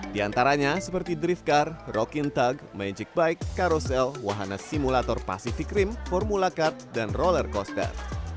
di antaranya seperti drift car rocking tug magic bike karusel wahana simulator pasifik rim formula kart dan roller coaster